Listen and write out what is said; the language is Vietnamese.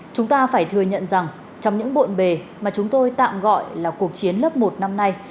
chúng ta phải thừa nhận rằng trong những bộn bề mà chúng tôi tạm gọi là cuộc chiến lớp một năm nay